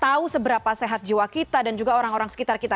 tahu seberapa sehat jiwa kita dan juga orang orang sekitar kita